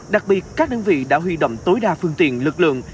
đặc biệt các đơn vị đã huy động tối đa phương tiện lực lượng